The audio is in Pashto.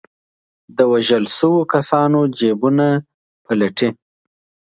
د وژل شوو کسانو جېبونه پلټي.